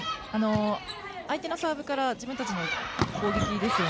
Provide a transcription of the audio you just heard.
相手のサーブから自分たちの攻撃ですよね。